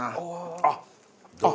あっあっ！